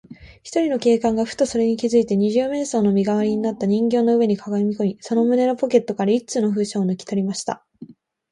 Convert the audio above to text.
ひとりの警官が、ふとそれに気づいて、二十面相の身がわりになった人形の上にかがみこみ、その胸のポケットから一通の封書をぬきとりました。